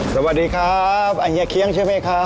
สวัสดีครับอัญเฮีย๙๐๐ใช่มั้ยครับ